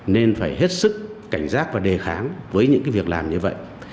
nên phải hết sức cảnh giác và đề kháng với những việc làm như vậy